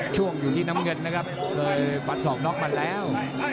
ช่วงอยู่ที่น้ำเงินนะครับเคยฟันศอกน็อกมาแล้ว